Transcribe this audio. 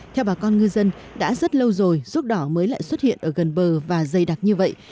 theo bà con ngư dân đã rất lâu rồi ruốc đỏ mới lại xuất hiện ở gần bờ và dày đặc như vậy